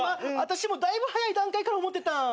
私もだいぶ早い段階から思ってた。